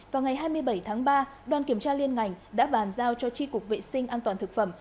vào ngày hai mươi bảy tháng ba đoàn kiểm tra liên ngành đã bàn giao cho tri cục vệ sinh an toàn thực phẩm